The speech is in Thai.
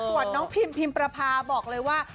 ส่วนน้องพิมพิมประพาบอกเลยว่า